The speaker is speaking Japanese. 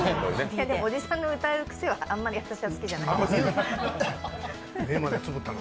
おじさんが歌うクセはあまり私は好きじゃない。